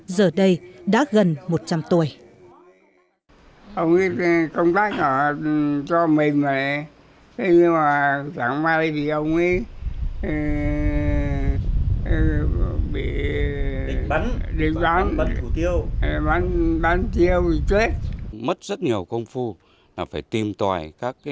giờ đây đã gần một trăm linh tuổi